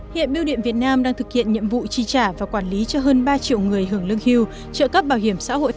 hiện biêu điện việt nam đang thực hiện nhiệm vụ chi trả và quản lý cho hơn ba triệu người hưởng lương hưu trợ cấp bảo hiểm xã hội